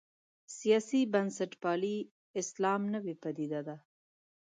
سیاسي بنسټپالی اسلام نوې پدیده ده.